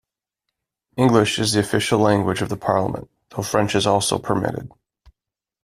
English is the official language of the parliament, though French is also permitted.